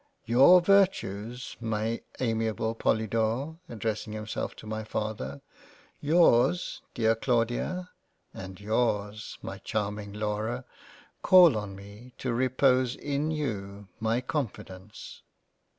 Your Virtues m amiable Polydore (addressing himself to my father) yours Dear Claudia and yours my Charming Laura call on me t repose in you, my confidence."